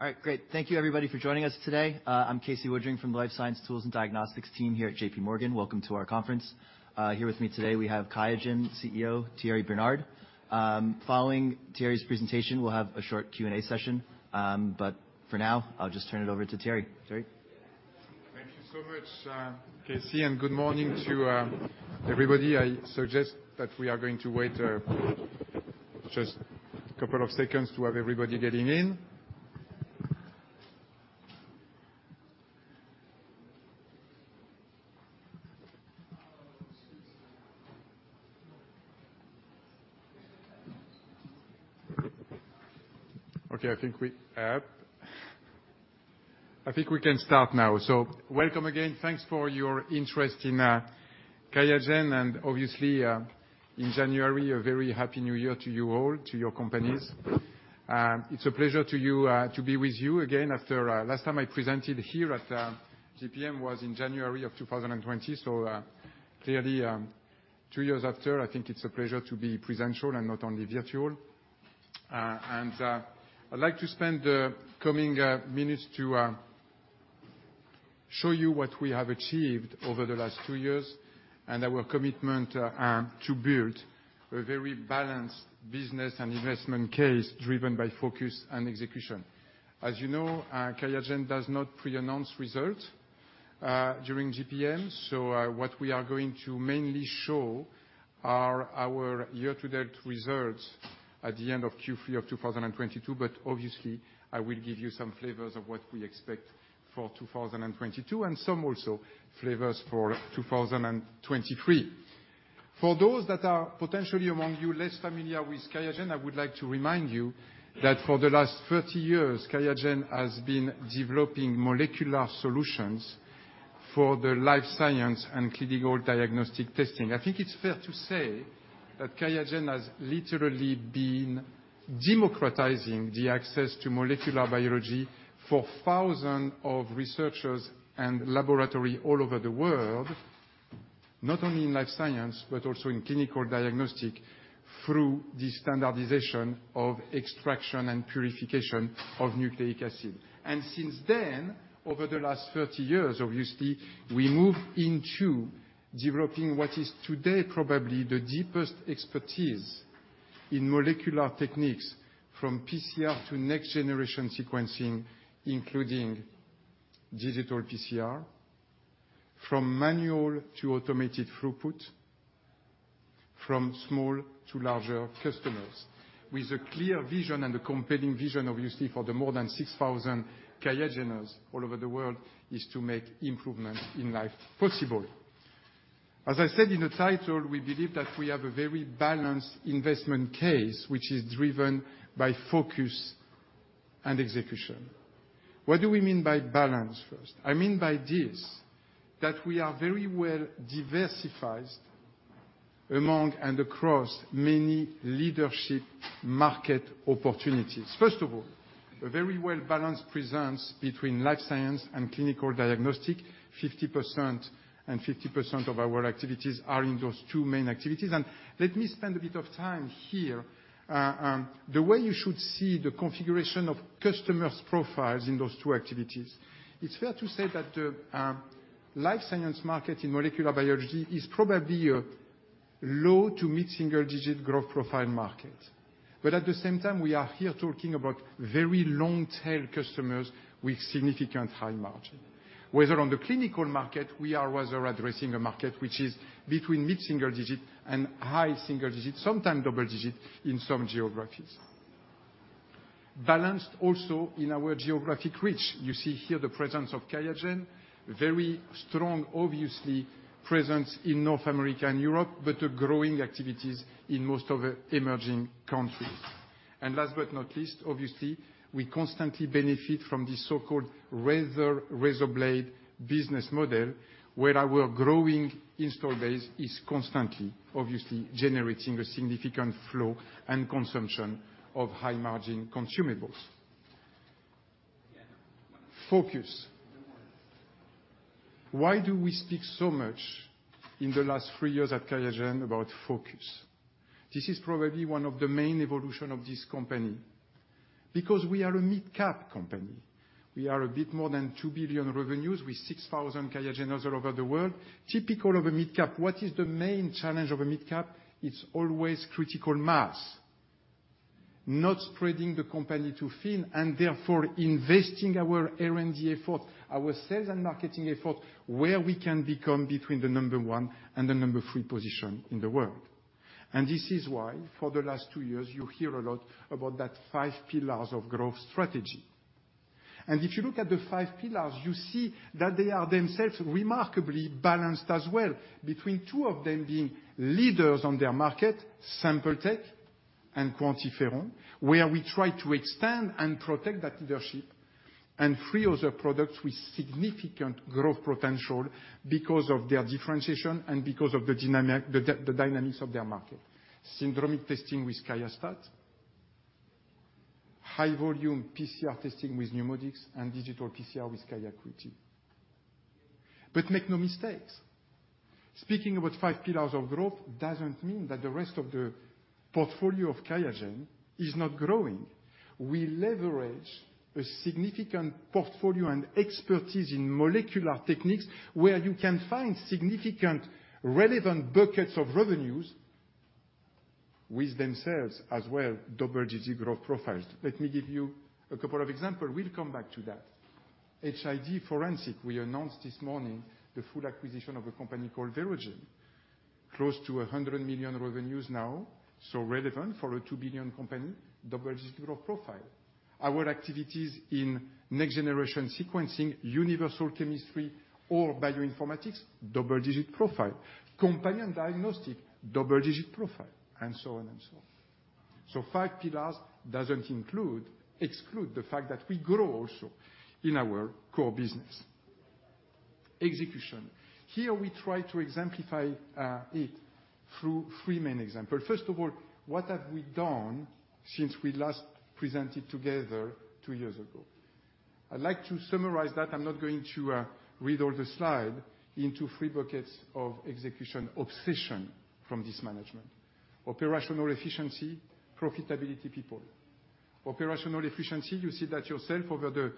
All right, great. Thank you, everybody, for joining us today. I'm Casey Woodring from the Life Science Tools and Diagnostics team here at JPMorgan. Welcome to our conference. Here with me today, we have QIAGEN CEO Thierry Bernard. Following Thierry's presentation, we'll have a short Q&A session. But for now, I'll just turn it over to Thierry. Thierry? Thank you so much, Casey, and good morning to everybody. I suggest that we are going to wait just a couple of seconds to have everybody getting in. OK, I think we can start now, so welcome again. Thanks for your interest in QIAGEN. And obviously, in January, a very happy new year to you all, to your companies. It's a pleasure to be with you again. Last time I presented here at JPM was in January of 2020, so clearly, two years after, I think it's a pleasure to be presential and not only virtual. And I'd like to spend the coming minutes to show you what we have achieved over the last two years and our commitment to build a very balanced business and investment case driven by focus and execution. As you know, QIAGEN does not pre-announce results during JPM. So what we are going to mainly show are our year-to-date results at the end of Q3 of 2022. But obviously, I will give you some flavors of what we expect for 2022 and some also flavors for 2023. For those that are potentially among you less familiar with QIAGEN, I would like to remind you that for the last 30 years, QIAGEN has been developing molecular solutions for the life science and clinical diagnostic testing. I think it's fair to say that QIAGEN has literally been democratizing the access to molecular biology for thousands of researchers and laboratories all over the world, not only in life science but also in clinical diagnostic through the standardization of extraction and purification of nucleic acid. And since then, over the last 30 years, obviously, we moved into developing what is today probably the deepest expertise in molecular techniques from PCR to next-generation sequencing, including digital PCR, from manual to automated throughput, from small to larger customers. With a clear vision and a compelling vision, obviously, for the more than 6,000 QIAGENers all over the world is to make improvements in life possible. As I said in the title, we believe that we have a very balanced investment case, which is driven by focus and execution. What do we mean by balance, first? I mean by this that we are very well diversified among and across many leadership market opportunities. First of all, a very well-balanced presence between life science and clinical diagnostic, 50% and 50% of our activities are in those two main activities. And let me spend a bit of time here. The way you should see the configuration of customers' profiles in those two activities, it's fair to say that the life science market in molecular biology is probably a low- to mid-single-digit growth profile market. But at the same time, we are here talking about very long-tail customers with significant high margin. Whether on the clinical market, we are rather addressing a market which is between mid-single-digit and high-single-digit, sometimes double-digit in some geographies. Balanced also in our geographic reach. You see here the presence of QIAGEN, very strong, obviously, presence in North America and Europe, but growing activities in most of the emerging countries. And last but not least, obviously, we constantly benefit from the so-called razor-blade business model, where our growing install base is constantly, obviously, generating a significant flow and consumption of high-margin consumables. Focus. Why do we speak so much in the last three years at QIAGEN about focus? This is probably one of the main evolutions of this company because we are a mid-cap company. We are a bit more than 2 billion revenues with 6,000 QIAGENers all over the world. Typical of a mid-cap, what is the main challenge of a mid-cap? It's always critical mass, not spreading the company too thin, and therefore investing our R&D efforts, our sales and marketing efforts where we can become between the number one and the number three position in the world. And this is why for the last two years, you hear a lot about that five pillars of growth strategy, and this is why for the last two years, you hear a lot about that five pillars of growth strategy. And if you look at the five pillars, you see that they are themselves remarkably balanced as well, between two of them being leaders on their market, SampleTech and QuantiFERON, where we try to extend and protect that leadership and three other products with significant growth potential because of their differentiation and because of the dynamics of their market. Syndromic testing with QIAstat-Dx, high-volume PCR testing with NeuMoDx, and digital PCR with QIAcuity. But make no mistakes, speaking about five pillars of growth doesn't mean that the rest of the portfolio of QIAGEN is not growing. We leverage a significant portfolio and expertise in molecular techniques where you can find significant relevant buckets of revenues with themselves as well double-digit growth profiles. Let me give you a couple of examples. We'll come back to that. HID forensic, we announced this morning the full acquisition of a company called Verogen, close to $100 million revenues now, so relevant for a $2 billion company double-digit growth profile. Our activities in next-generation sequencing, universal chemistry, or bioinformatics, double-digit profile. Companion diagnostic, double-digit profile, and so on and so on. So five pillars doesn't exclude the fact that we grow also in our core business. Execution. Here we try to exemplify it through three main examples. First of all, what have we done since we last presented together two years ago? I'd like to summarize that. I'm not going to read all the slides. Into three buckets of execution obsession from this management: operational efficiency, profitability people. Operational efficiency, you see that yourself over the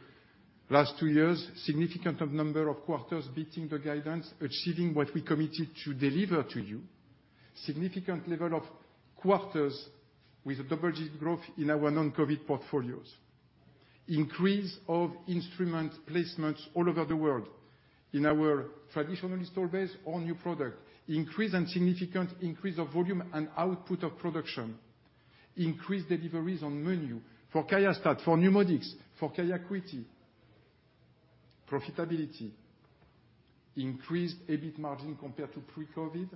last two years, significant number of quarters beating the guidance, achieving what we committed to deliver to you, significant level of quarters with double-digit growth in our non-COVID portfolios, increase of instrument placements all over the world in our traditional install base or new product, increase and significant increase of volume and output of production, increased deliveries on menu for QIAstat-Dx, for NeuMoDx, for QIAcuity. Profitability, increased EBIT margin compared to pre-COVID,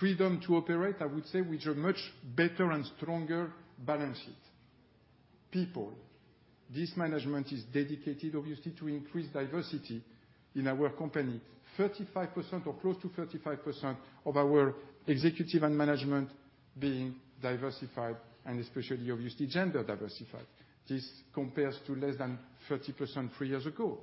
freedom to operate, I would say, with a much better and stronger balance sheet. People. This management is dedicated, obviously, to increase diversity in our company. 35% or close to 35% of our executive and management being diversified, and especially, obviously, gender diversified. This compares to less than 30% three years ago.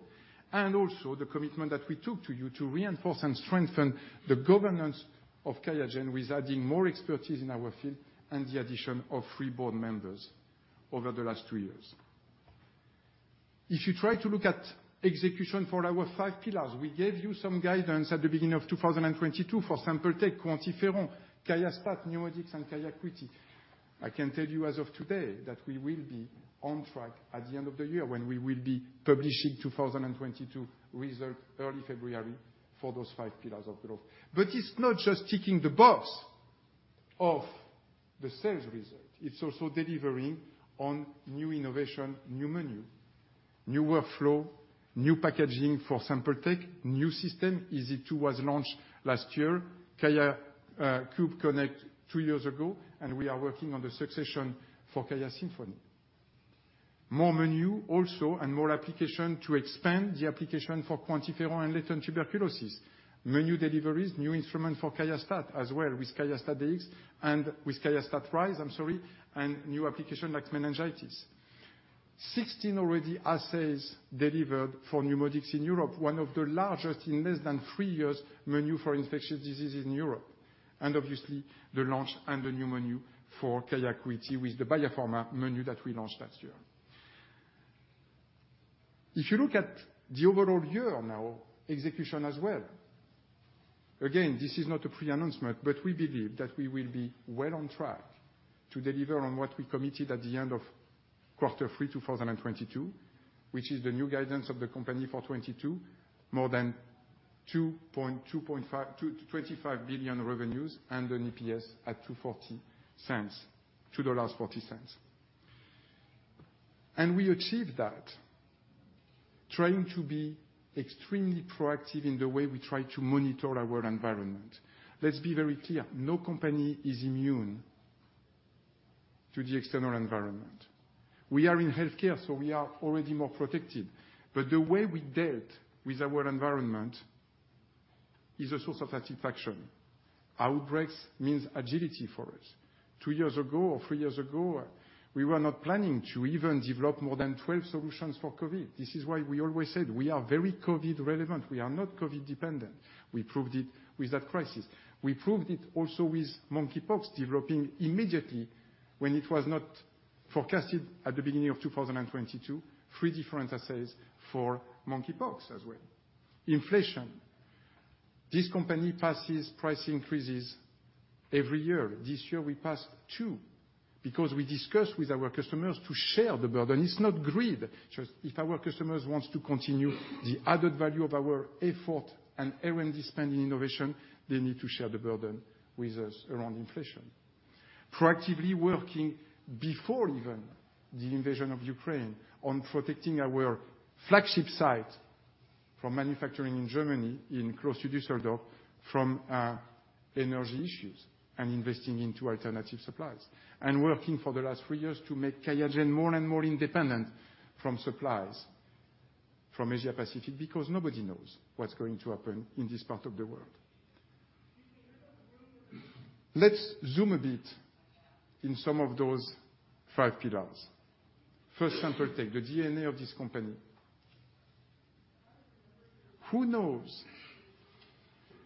Also the commitment that we took to you to reinforce and strengthen the governance of QIAGEN with adding more expertise in our field and the addition of three board members over the last two years. If you try to look at execution for our five pillars, we gave you some guidance at the beginning of 2022 for SampleTech, QuantiFERON, QIAstat-Dx, NeuMoDx, and QIAcuity. I can tell you as of today that we will be on track at the end of the year when we will be publishing 2022 results early February for those five pillars of growth. But it's not just ticking the box of the sales result. It's also delivering on new innovation, new menu, new workflow, new packaging for SampleTech, new system. EZ2 was launched last year, QIAcube Connect two years ago, and we are working on the succession for QIAsymphony. More menu also and more application to expand the application for QuantiFERON and latent tuberculosis. Menu deliveries, new instrument for QIAstat as well with QIAstat-Dx and with QIAstat-Dx Rise, I'm sorry, and new application like meningitis. 16 already assays delivered for NeuMoDx in Europe, one of the largest in less than three years menu for infectious diseases in Europe. Obviously, the launch and the new menu for QIAcuity with the biopharma menu that we launched last year. If you look at the overall year now, execution as well. Again, this is not a pre-announcement, but we believe that we will be well on track to deliver on what we committed at the end of quarter three 2022, which is the new guidance of the company for 2022, more than $2.25 billion revenues and an EPS at 2.40 cents, $2.40. And we achieved that trying to be extremely proactive in the way we try to monitor our environment. Let's be very clear. No company is immune to the external environment. We are in health care, so we are already more protected. But the way we dealt with our environment is a source of satisfaction. Outbreaks mean agility for us. Two years ago or three years ago, we were not planning to even develop more than 12 solutions for COVID. This is why we always said we are very COVID-relevant. We are not COVID-dependent. We proved it with that crisis. We proved it also with Monkeypox, developing immediately when it was not forecasted at the beginning of 2022 three different assays for Monkeypox as well. Inflation. This company passes price increases every year. This year we passed two because we discussed with our customers to share the burden. It's not greed. If our customers want to continue the added value of our effort and R&D spend in innovation, they need to share the burden with us around inflation. Proactively working before even the invasion of Ukraine on protecting our flagship site from manufacturing in Germany in close to Düsseldorf from energy issues and investing into alternative supplies. And working for the last three years to make QIAGEN more and more independent from supplies from Asia-Pacific because nobody knows what's going to happen in this part of the world. Let's zoom a bit in some of those five pillars. First, SampleTech, the DNA of this company. Who knows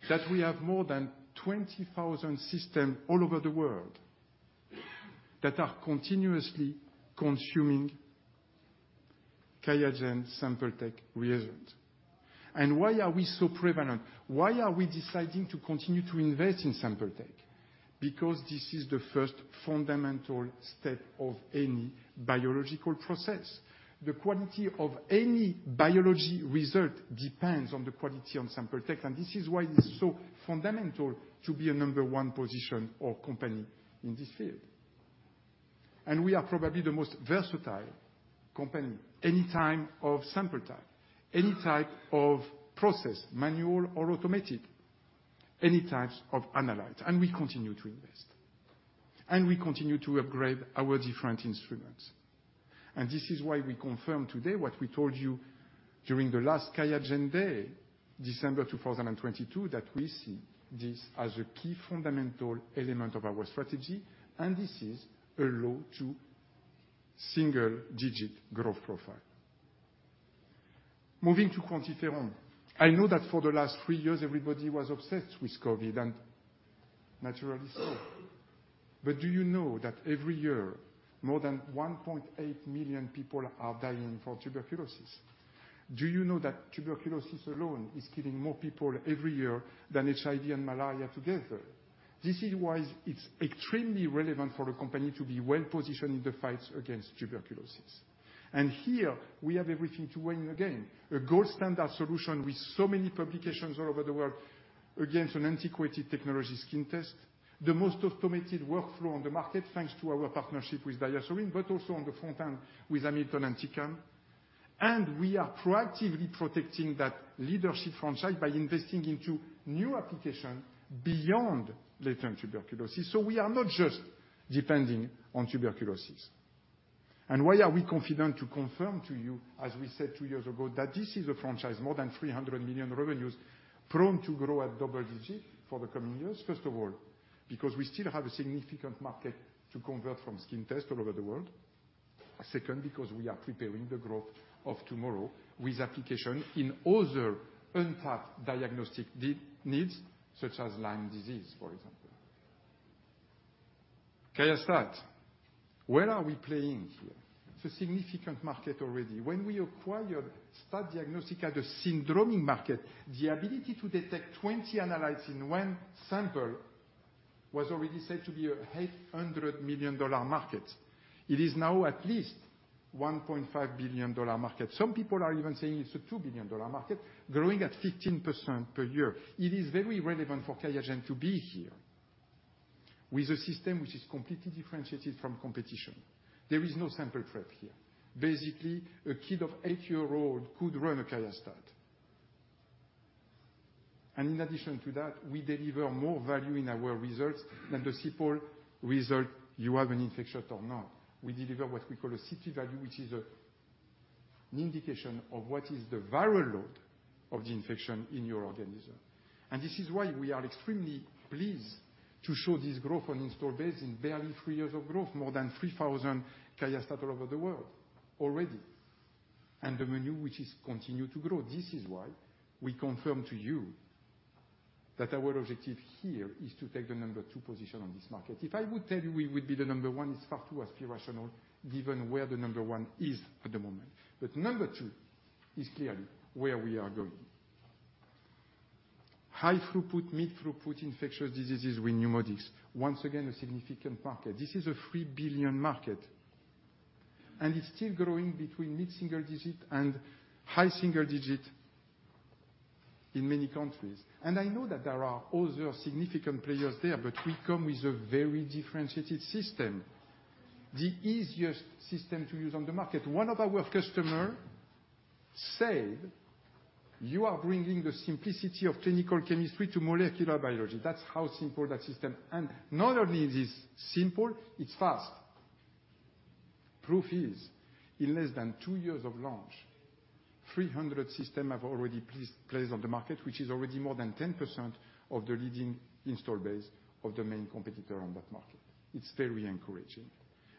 that we have more than 20,000 systems all over the world that are continuously consuming QIAGEN Sample Tech reagent? And why are we so prevalent? Why are we deciding to continue to invest in SampleTech? Because this is the first fundamental step of any biological process. The quality of any biology result depends on the quality on SampleTech, and this is why it's so fundamental to be a number one position or company in this field. And we are probably the most versatile company any time of SampleTech, any type of process, manual or automatic, any types of analytes. And we continue to invest. And we continue to upgrade our different instruments. And this is why we confirm today what we told you during the last QIAGEN Day, December 2022, that we see this as a key fundamental element of our strategy, and this is a low to single-digit growth profile. Moving to QuantiFERON, I know that for the last three years everybody was obsessed with COVID and naturally so. But do you know that every year more than 1.8 million people are dying from tuberculosis? Do you know that tuberculosis alone is killing more people every year than HIV and malaria together? This is why it's extremely relevant for a company to be well positioned in the fights against tuberculosis. And here we have everything to win again. A gold standard solution with so many publications all over the world against an antiquated technology skin test, the most automated workflow on the market thanks to our partnership with DiaSorin, but also on the front end with Hamilton and Tecan. And we are proactively protecting that leadership franchise by investing into new applications beyond latent tuberculosis. So we are not just depending on tuberculosis. Why are we confident to confirm to you, as we said two years ago, that this is a franchise more than $300 million revenues prone to grow at double digit for the coming years? First of all, because we still have a significant market to convert from skin test all over the world. Second, because we are preparing the growth of tomorrow with application in other untapped diagnostic needs such as Lyme disease, for example. QIAstat. Where are we playing here? It's a significant market already. When we acquired STAT-Dx as a syndromic market, the ability to detect 20 analytes in one sample was already said to be a $800 million market. It is now at least $1.5 billion market. Some people are even saying it's a $2 billion market, growing at 15% per year. It is very relevant for QIAGEN to be here with a system which is completely differentiated from competition. There is no sample trap here. Basically, a kid of eight years old could run a QIAstat. And in addition to that, we deliver more value in our results than the simple result you have an infection or not. We deliver what we call a CT value, which is an indication of what is the viral load of the infection in your organism. And this is why we are extremely pleased to show this growth on installed base in barely three years of growth, more than 3,000 QIAstat all over the world already. And the menu which is continued to grow. This is why we confirm to you that our objective here is to take the number two position on this market. If I would tell you we would be the number one, it's far too aspirational given where the number one is at the moment. But number two is clearly where we are going. High throughput, mid throughput infectious diseases with NeuMoDx. Once again, a significant market. This is a $3 billion market. And it's still growing between mid-single-digit and high-single-digit in many countries. And I know that there are other significant players there, but we come with a very differentiated system. The easiest system to use on the market. One of our customers said, "You are bringing the simplicity of clinical chemistry to molecular biology." That's how simple that system is. And not only is it simple, it's fast. Proof is in less than two years of launch, 300 systems have already placed on the market, which is already more than 10% of the leading install base of the main competitor on that market. It's very encouraging.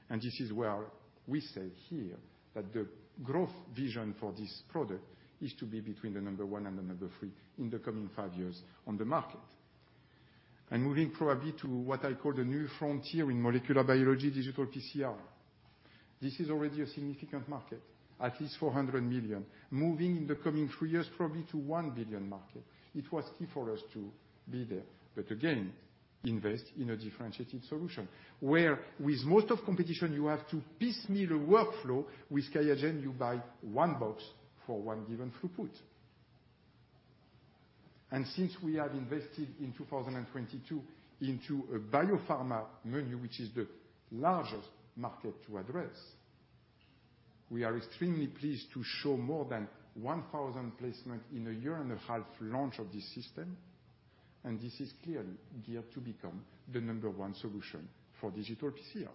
And this is where we say here that the growth vision for this product is to be between the number one and the number three in the coming five years on the market. And moving probably to what I call the new frontier in molecular biology, Digital PCR. This is already a significant market, at least $400 million, moving in the coming three years probably to $1 billion market. It was key for us to be there. But again, invest in a differentiated solution where with most of competition, you have to piecemeal a workflow with QIAGEN, you buy one box for one given throughput. Since we have invested in 2022 into a biopharma menu, which is the largest market to address, we are extremely pleased to show more than 1,000 placements in a year and a half launch of this system. This is clearly geared to become the number one solution for digital PCR.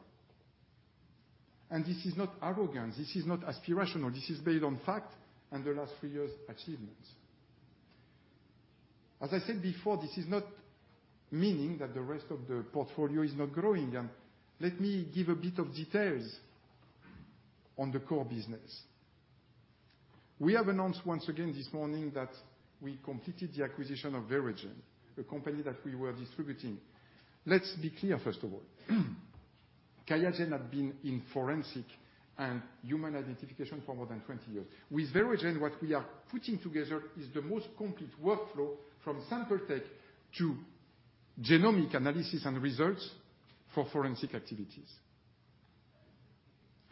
This is not arrogance. This is not aspirational. This is based on fact and the last three years' achievements. As I said before, this is not meaning that the rest of the portfolio is not growing. Let me give a bit of details on the core business. We have announced once again this morning that we completed the acquisition of Verogen, a company that we were distributing. Let's be clear, first of all. QIAGEN had been in forensic and human identification for more than 20 years. With Verogen, what we are putting together is the most complete workflow from SampleTech to genomic analysis and results for forensic activities,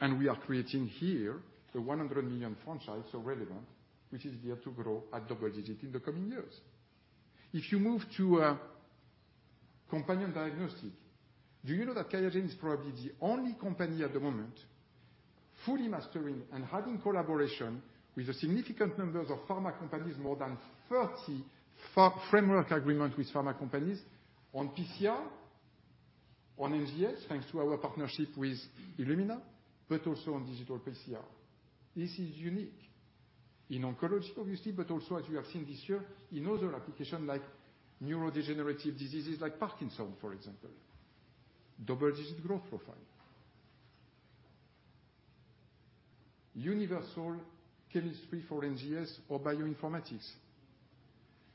and we are creating here a $100 million franchise so relevant, which is geared to grow at double digit in the coming years. If you move to companion diagnostic, do you know that QIAGEN is probably the only company at the moment fully mastering and having collaboration with a significant number of pharma companies, more than 30 framework agreements with pharma companies on PCR, on NGS thanks to our partnership with Illumina, but also on digital PCR. This is unique in oncology, obviously, but also, as we have seen this year, in other applications like neurodegenerative diseases like Parkinson's, for example. Double digit growth profile. Universal chemistry for NGS or bioinformatics.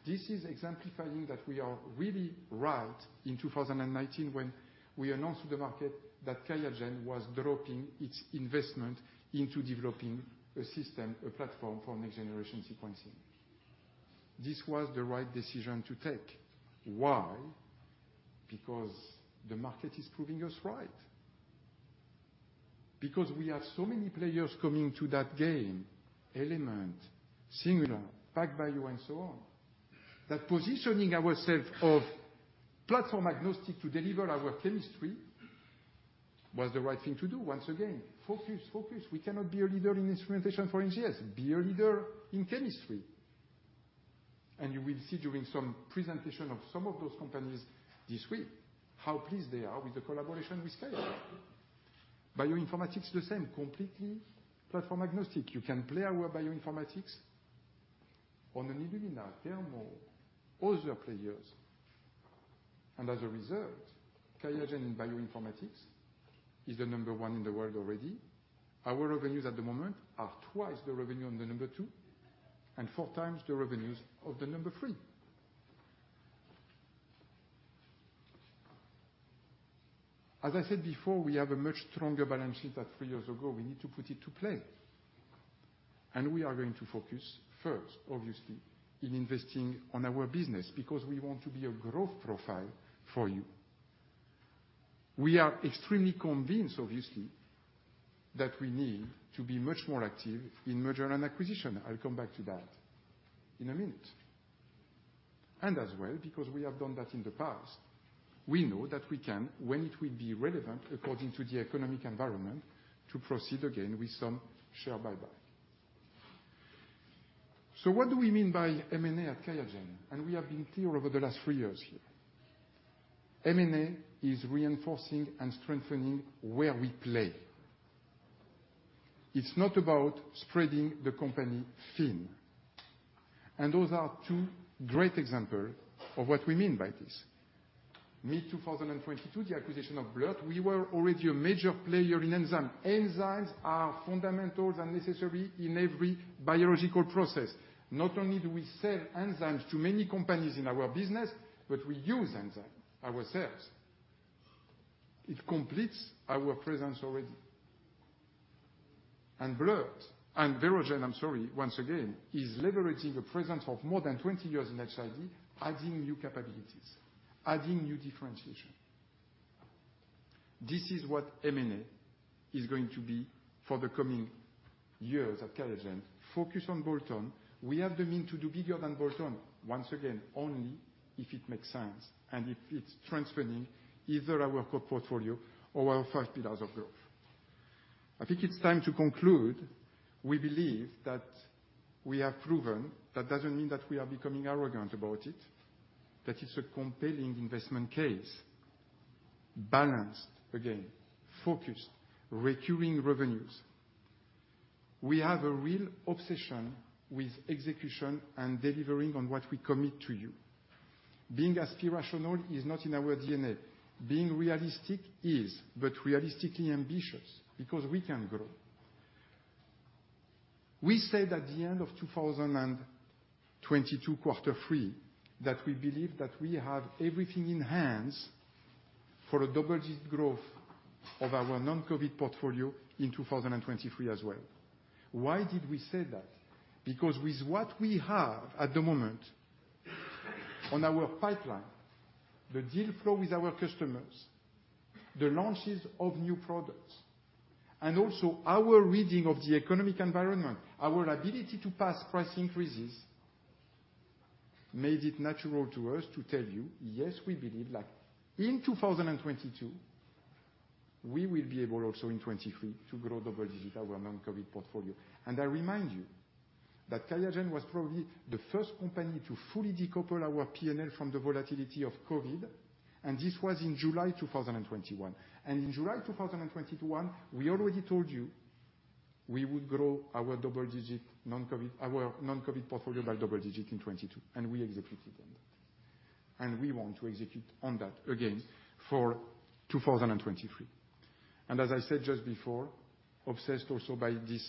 This is exemplifying that we are really right in 2019 when we announced to the market that QIAGEN was dropping its investment into developing a system, a platform for next-generation sequencing. This was the right decision to take. Why? Because the market is proving us right. Because we have so many players coming to that game, Element, Singular, PacBio, and so on, that positioning ourselves of platform-agnostic to deliver our chemistry was the right thing to do. Once again, focus, focus. We cannot be a leader in instrumentation for NGS. Be a leader in chemistry. And you will see during some presentation of some of those companies this week how pleased they are with the collaboration we scale. Bioinformatics, the same, completely platform-agnostic. You can play our bioinformatics on an Illumina, Thermo, other players. As a result, QIAGEN in bioinformatics is the number one in the world already. Our revenues at the moment are twice the revenue on the number two and four times the revenues of the number three. As I said before, we have a much stronger balance sheet than three years ago. We need to put it to play. We are going to focus first, obviously, in investing on our business because we want to be a growth profile for you. We are extremely convinced, obviously, that we need to be much more active in merger and acquisition. I'll come back to that in a minute. And as well, because we have done that in the past, we know that we can, when it will be relevant according to the economic environment, to proceed again with some share buyback. What do we mean by M&A at QIAGEN? We have been clear over the last three years here. M&A is reinforcing and strengthening where we play. It's not about spreading the company thin. Those are two great examples of what we mean by this. Mid 2022, the acquisition of BLIRT, we were already a major player in enzymes. Enzymes are fundamental and necessary in every biological process. Not only do we sell enzymes to many companies in our business, but we use enzymes ourselves. It completes our presence already. BLIRT and Verogen, I'm sorry, once again, is leveraging a presence of more than 20 years in HIV, adding new capabilities, adding new differentiation. This is what M&A is going to be for the coming years at QIAGEN. Focus on bolt-on. We have the means to do bigger than bolt-on. Once again, only if it makes sense and if it's transferring either our core portfolio or our five pillars of growth. I think it's time to conclude. We believe that we have proven. That doesn't mean that we are becoming arrogant about it, that it's a compelling investment case, balanced, again, focused, recurring revenues. We have a real obsession with execution and delivering on what we commit to you. Being aspirational is not in our DNA. Being realistic is, but realistically ambitious because we can grow. We said at the end of 2022, quarter three, that we believe that we have everything in hand for a double-digit growth of our non-COVID portfolio in 2023 as well. Why did we say that? Because with what we have at the moment on our pipeline, the deal flow with our customers, the launches of new products, and also our reading of the economic environment, our ability to pass price increases made it natural to us to tell you, yes, we believe that in 2022, we will be able also in 2023 to grow double digit our non-COVID portfolio. And I remind you that QIAGEN was probably the first company to fully decouple our P&L from the volatility of COVID, and this was in July 2021. And in July 2021, we already told you we would grow our double digit non-COVID portfolio by double digit in 2022, and we executed on that. And we want to execute on that again for 2023. And as I said just before, obsessed also by this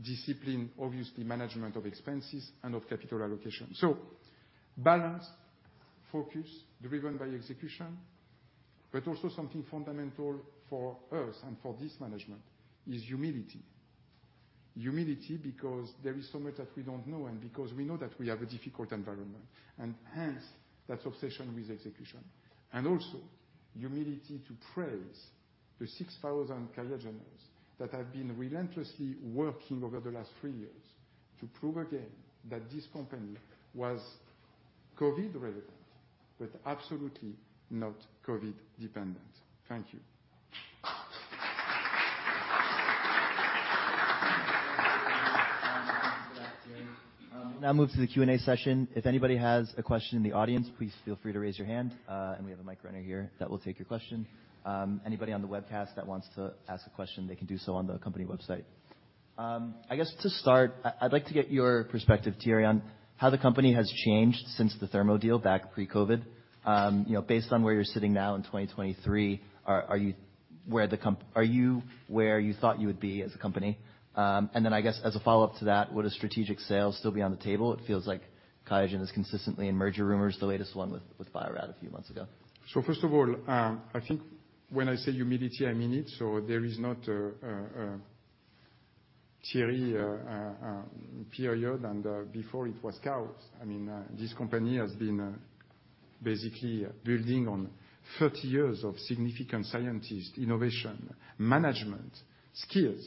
discipline, obviously, management of expenses and of capital allocation. So balanced focus driven by execution, but also something fundamental for us and for this management is humility. Humility because there is so much that we don't know and because we know that we have a difficult environment, and hence that obsession with execution. And also humility to praise the 6,000 QIAGENers that have been relentlessly working over the last three years to prove again that this company was COVID relevant, but absolutely not COVID dependent. Thank you. I'll move to the Q&A session. If anybody has a question in the audience, please feel free to raise your hand, and we have a mic runner here that will take your question. Anybody on the webcast that wants to ask a question, they can do so on the company website. I guess to start, I'd like to get your perspective, Thierry, on how the company has changed since the Thermo deal back pre-COVID. Based on where you're sitting now in 2023, are you where you thought you would be as a company? And then I guess as a follow-up to that, would a strategic sale still be on the table? It feels like QIAGEN is consistently in merger rumors, the latest one with Bio-Rad a few months ago. So first of all, I think when I say humility, I mean it. There is not a Thierry period, and before it was chaos. I mean, this company has been basically building on 30 years of significant scientists, innovation, management skills.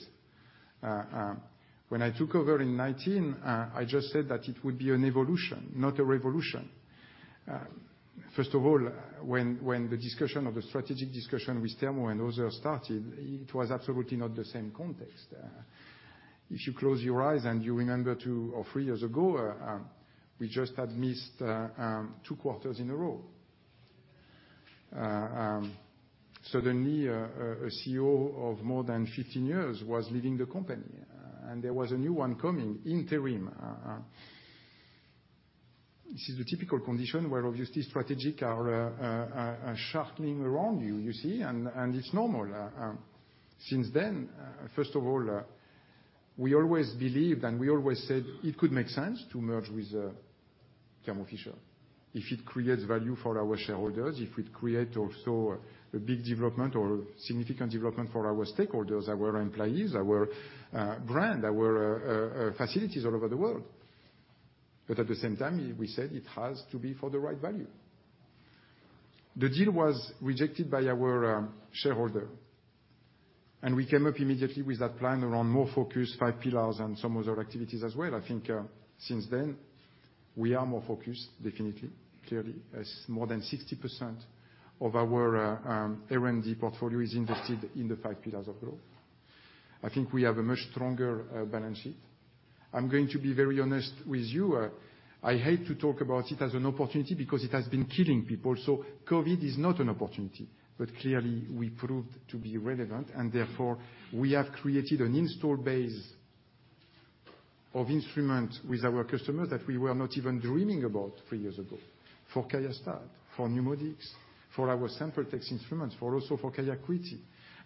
When I took over in 2019, I just said that it would be an evolution, not a revolution. First of all, when the discussion of the strategic discussion with Thermo and others started, it was absolutely not the same context. If you close your eyes and you remember two or three years ago, we just had missed two quarters in a row. Suddenly, a CEO of more than 15 years was leaving the company, and there was a new one coming in, Thierry. This is the typical condition where obviously strategic alternatives are swirling around you, you see, and it's normal. Since then, first of all, we always believed and we always said it could make sense to merge with Thermo Fisher if it creates value for our shareholders, if it creates also a big development or significant development for our stakeholders, our employees, our brand, our facilities all over the world. But at the same time, we said it has to be for the right value. The deal was rejected by our shareholder, and we came up immediately with that plan around more focus, five pillars, and some other activities as well. I think since then, we are more focused, definitely, clearly, as more than 60% of our R&D portfolio is invested in the five pillars of growth. I think we have a much stronger balance sheet. I'm going to be very honest with you. I hate to talk about it as an opportunity because it has been killing people. So COVID is not an opportunity, but clearly we proved to be relevant, and therefore we have created an installed base of instruments with our customers that we were not even dreaming about three years ago for QIAstat, for NeuMoDx, for our SampleTech instruments, for also for QIAcuity.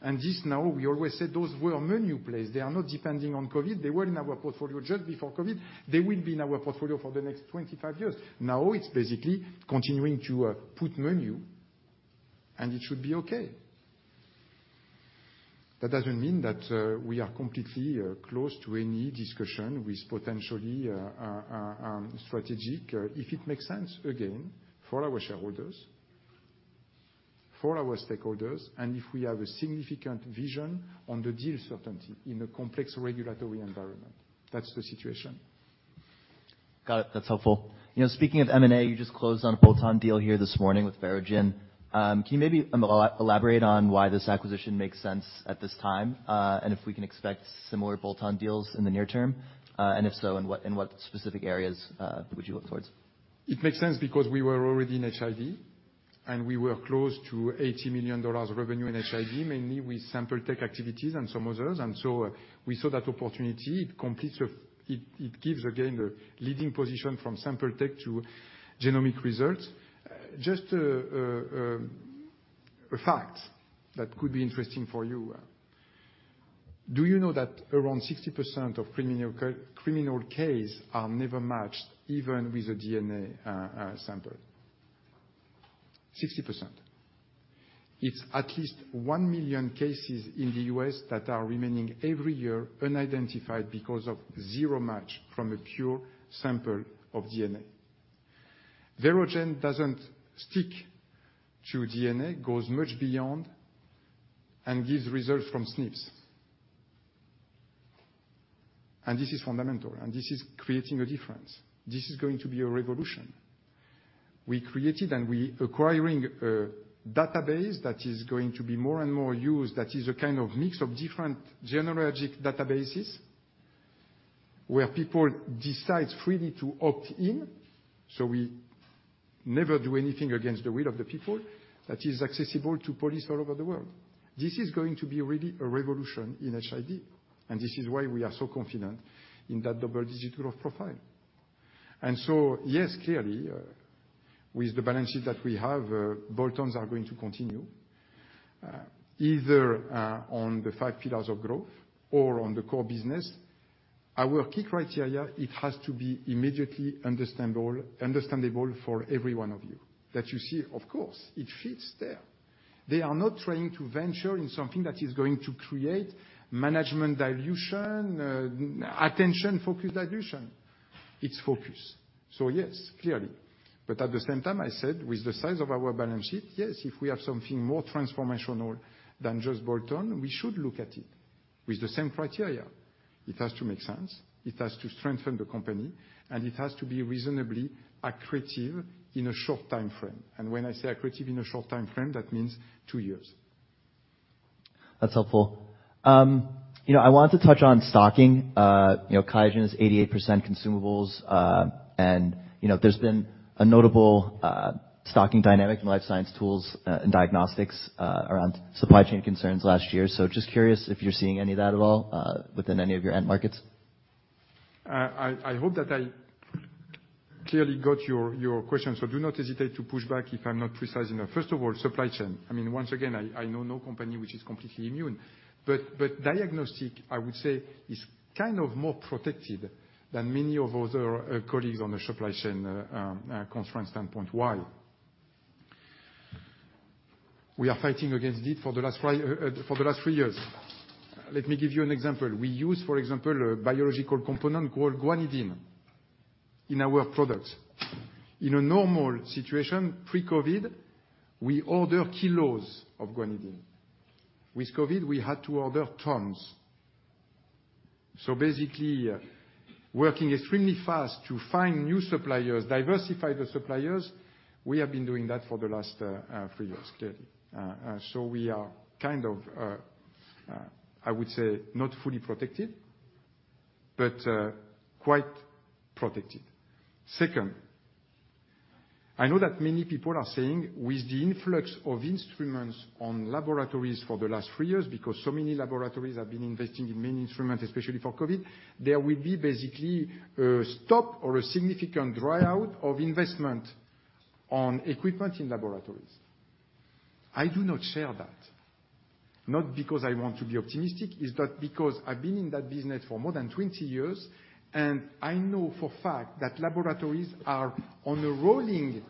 And this now, we always said those were menu plays. They are not depending on COVID. They were in our portfolio just before COVID. They will be in our portfolio for the next 25 years. Now it's basically continuing to put menu, and it should be okay. That doesn't mean that we are completely close to any discussion with potentially strategic if it makes sense again for our shareholders, for our stakeholders, and if we have a significant vision on the deal certainty in a complex regulatory environment. That's the situation. Got it. That's helpful. Speaking of M&A, you just closed on a bolt-on deal here this morning with Verogen. Can you maybe elaborate on why this acquisition makes sense at this time and if we can expect similar bolt-on deals in the near term? And if so, in what specific areas would you look towards? It makes sense because we were already in HIV, and we were close to $80 million revenue in HIV, mainly with sample tech activities and some others. And so we saw that opportunity. It gives again the leading position from sample tech to genomic results. Just a fact that could be interesting for you. Do you know that around 60% of criminal cases are never matched even with a DNA sample? 60%. It's at least 1 million cases in the U.S. that are remaining every year unidentified because of zero match from a pure sample of DNA. Verogen doesn't stick to DNA, goes much beyond, and gives results from SNPs. And this is fundamental, and this is creating a difference. This is going to be a revolution. We created and we are acquiring a database that is going to be more and more used, that is a kind of mix of different genealogical databases where people decide freely to opt in. So we never do anything against the will of the people that is accessible to police all over the world. This is going to be really a revolution in HID, and this is why we are so confident in that double-digit growth profile. And so yes, clearly, with the balance sheet that we have, bolt-ons are going to continue either on the five pillars of growth or on the core business. Our key criteria, it has to be immediately understandable for every one of you that you see, of course, it fits there. They are not trying to venture in something that is going to create management dilution, attention-focused dilution. It's focus. So yes, clearly. But at the same time, I said with the size of our balance sheet, yes, if we have something more transformational than just bolt-on, we should look at it with the same criteria. It has to make sense. It has to strengthen the company, and it has to be reasonably accretive in a short time frame, and when I say accretive in a short time frame, that means two years. That's helpful. I wanted to touch on stocking. QIAGEN is 88% consumables, and there's been a notable stocking dynamic in life science tools and diagnostics around supply chain concerns last year. So just curious if you're seeing any of that at all within any of your end markets? I hope that I clearly got your question. So do not hesitate to push back if I'm not precise enough. First of all, supply chain. I mean, once again, I know no company which is completely immune, but diagnostic, I would say, is kind of more protected than many of other colleagues on the supply chain constraint standpoint. Why? We are fighting against it for the last three years. Let me give you an example. We use, for example, a biological component called guanidine in our products. In a normal situation, pre-COVID, we ordered kilos of guanidine. With COVID, we had to order tons. So basically, working extremely fast to find new suppliers, diversify the suppliers, we have been doing that for the last three years, clearly. So we are kind of, I would say, not fully protected, but quite protected. Second, I know that many people are saying with the influx of instruments in laboratories for the last three years, because so many laboratories have been investing in many instruments, especially for COVID, there will be basically a stop or a significant dry out of investment on equipment in laboratories. I do not share that. Not because I want to be optimistic. It's not because I've been in that business for more than 20 years, and I know for a fact that laboratories are on a rolling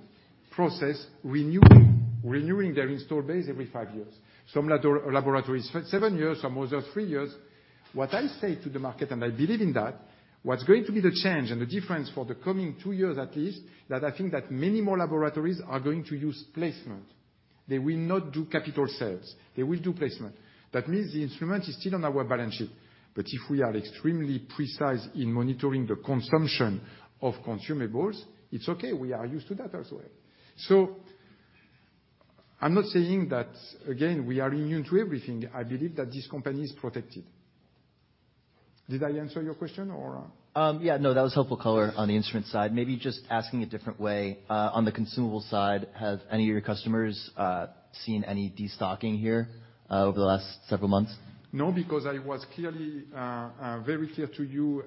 process, renewing their installed base every five years. Some laboratories, seven years, some others, three years. What I say to the market, and I believe in that, what's going to be the change and the difference for the coming two years at least, that I think that many more laboratories are going to use placement. They will not do capital sales. They will do placement. That means the instrument is still on our balance sheet. But if we are extremely precise in monitoring the consumption of consumables, it's okay. We are used to that as well. So I'm not saying that, again, we are immune to everything. I believe that this company is protected. Did I answer your question or? Yeah. No, that was helpful color on the instrument side. Maybe just asking a different way. On the consumable side, have any of your customers seen any destocking here over the last several months? No, because I was clearly, very clear to you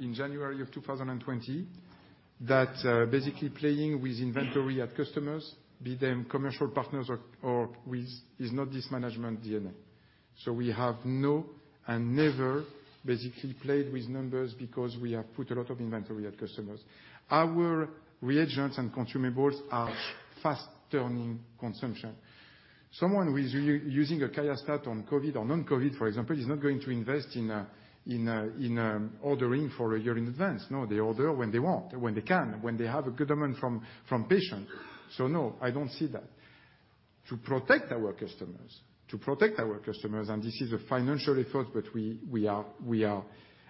in January of 2020 that basically playing with inventory at customers, be them commercial partners or with, is not this management DNA. So we have no and never basically played with numbers because we have put a lot of inventory at customers. Our reagents and consumables are fast turning consumption. Someone who is using a QIAstat on COVID or non-COVID, for example, is not going to invest in ordering for a year in advance. No, they order when they want, when they can, when they have a good amount from patients. So no, I don't see that. To protect our customers, to protect our customers, and this is a financial effort, but we are,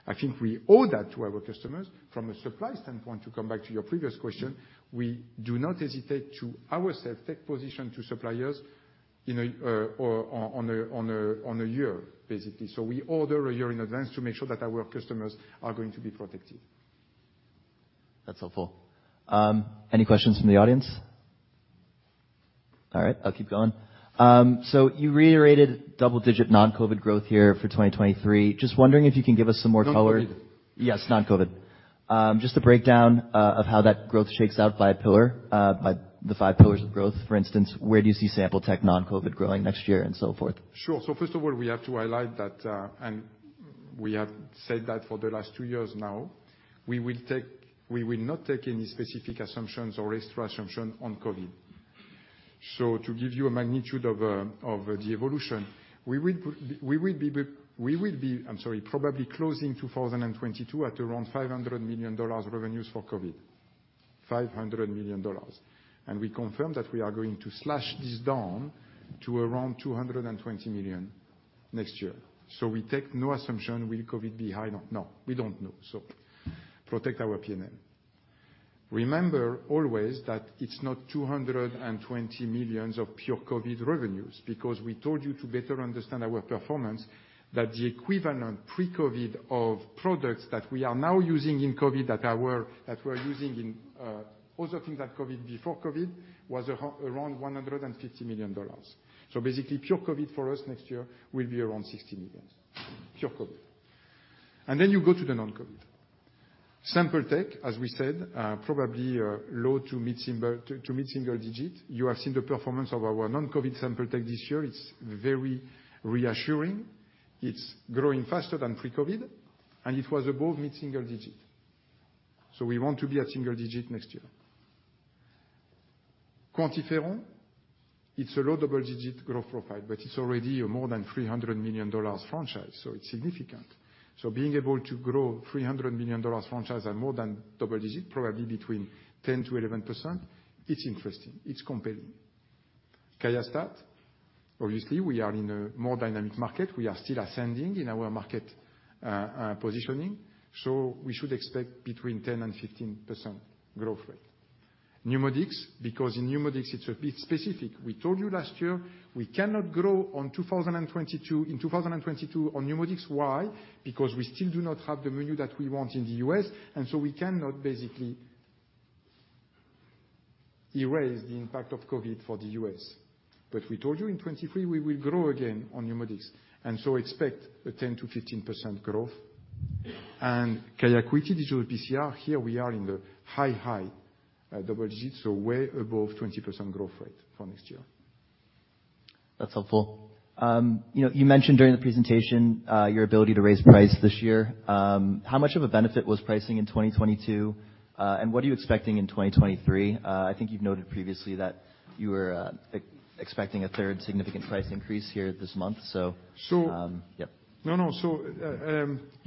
I think we owe that to our customers. From a supply standpoint, to come back to your previous question, we do not hesitate to take positions ourselves with suppliers for a year, basically. So we order a year in advance to make sure that our customers are going to be protected. That's helpful. Any questions from the audience? All right. I'll keep going. So you reiterated double-digit non-COVID growth here for 2023. Just wondering if you can give us some more color. Non-COVID. Yes, non-COVID. Just a breakdown of how that growth shakes out by a pillar, by the five pillars of growth. For instance, where do you see sample tech non-COVID growing next year and so forth? Sure. So first of all, we have to highlight that, and we have said that for the last two years now, we will not take any specific assumptions or extra assumptions on COVID. So to give you a magnitude of the evolution, we will be, I'm sorry, probably closing 2022 at around $500 million revenues for COVID, $500 million. And we confirm that we are going to slash this down to around $220 million next year. So we take no assumption. Will COVID be high? No, we don't know. So protect our P&L. Remember always that it's not $220 million of pure COVID revenues because we told you to better understand our performance that the equivalent pre-COVID of products that we are now using in COVID that we're using in other things that COVID before COVID was around $150 million. So basically, pure COVID for us next year will be around $60 million, pure COVID. And then you go to the non-COVID. SampleTech, as we said, probably low- to mid-single-digit. You have seen the performance of our non-COVID SampleTech this year. It's very reassuring. It's growing faster than pre-COVID, and it was above mid-single-digit. So we want to be at single-digit next year. QuantiFERON, it's a low double-digit growth profile, but it's already a more than $300 million franchise, so it's significant. So being able to grow $300 million franchise and more than double-digit, probably between 10%-11%, it's interesting. It's compelling. QIAstat, obviously, we are in a more dynamic market. We are still ascending in our market positioning. So we should expect between 10% and 15% growth rate. NeuMoDx, because in NeuMoDx, it's a bit specific. We told you last year we cannot grow in 2022 on NeuMoDx. Why? Because we still do not have the menu that we want in the US, and so we cannot basically erase the impact of COVID for the US. But we told you in 2023 we will grow again on NeuMoDx. And so expect a 10%-15% growth. And QIAcuity, digital PCR, here we are in the high, high double digit, so way above 20% growth rate for next year. That's helpful. You mentioned during the presentation your ability to raise price this year. How much of a benefit was pricing in 2022, and what are you expecting in 2023? I think you've noted previously that you were expecting a third significant price increase here this month, so. So. Yep. No, no. So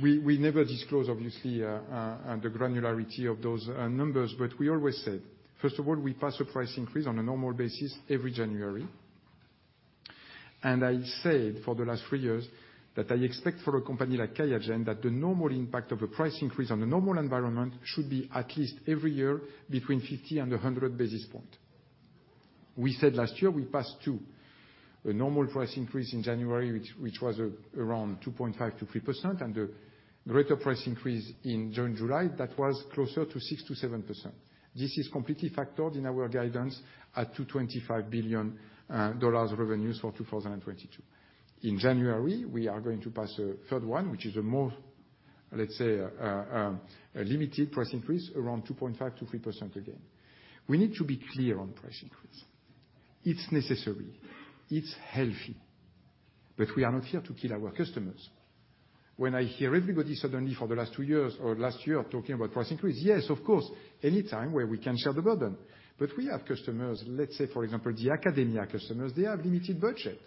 we never disclose, obviously, the granularity of those numbers, but we always said, first of all, we pass a price increase on a normal basis every January. And I said for the last three years that I expect for a company like QIAGEN that the normal impact of a price increase on a normal environment should be at least every year between 50 and 100 basis points. We said last year we passed two. A normal price increase in January, which was around 2.5% to 3%, and a greater price increase in June, July, that was closer to 6% to 7%. This is completely factored in our guidance at $225 billion revenues for 2022. In January, we are going to pass a third one, which is a more, let's say, limited price increase around 2.5% to 3% again. We need to be clear on price increase. It's necessary. It's healthy. But we are not here to kill our customers. When I hear everybody suddenly for the last two years or last year talking about price increase, yes, of course, anytime where we can share the burden. But we have customers, let's say, for example, the academia customers, they have limited budget.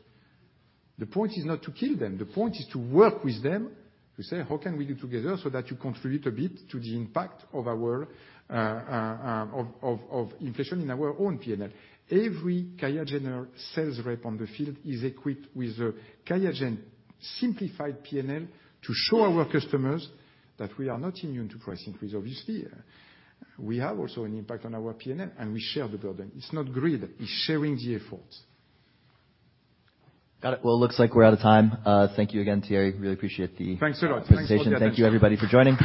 The point is not to kill them. The point is to work with them to say, how can we do together so that you contribute a bit to the impact of inflation in our own P&L? Every QIAGEN sales rep on the field is equipped with a QIAGEN simplified P&L to show our customers that we are not immune to price increase, obviously. We have also an impact on our P&L, and we share the burden. It's not greed. It's sharing the efforts. Got it. Well, it looks like we're out of time. Thank you again, Thierry. Really appreciate the. Thanks a lot. Presentation. Thank you, everybody, for joining.